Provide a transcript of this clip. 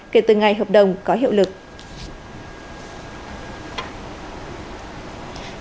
kể từ ngày hợp đồng có hiệu lực